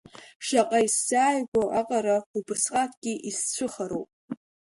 Шаҟа исзааигәоу аҟара, убысҟакгьы исцәыхароуп.